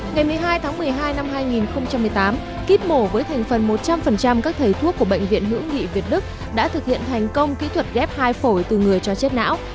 ngày một mươi hai tháng một mươi hai năm hai nghìn một mươi tám kíp mổ với thành phần một trăm linh các thầy thuốc của bệnh viện hữu nghị việt đức đã thực hiện thành công kỹ thuật ghép hai phổi từ người cho chết não